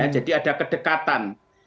jadi ada kedekatan